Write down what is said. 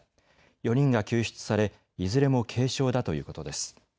４人が救出されいずれも軽傷だということです。